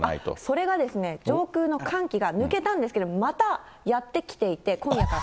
それがですね、上空の寒気が抜けたんですけど、またやって来ていて、今夜から。